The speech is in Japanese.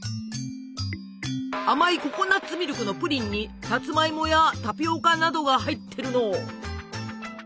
甘いココナツミルクのプリンにさつまいもやタピオカなどが入ってるの。